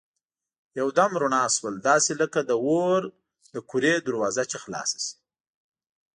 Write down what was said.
یو دم رڼا شول داسې لکه د اور د کورې دروازه چي خلاصه شي.